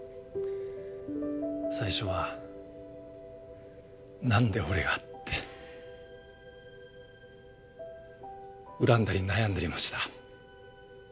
最初はなんで俺がって恨んだり悩んだりもした。